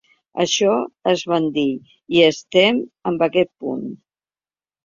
Això ens va dir, i estem en aquest punt.